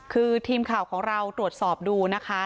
คือทีมข่าวของเราตรวจสอบดูนะคะ